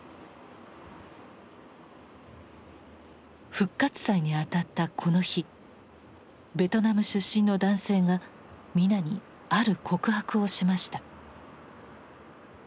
復活祭にあたったこの日ベトナム出身の男性が皆にある告白をしました。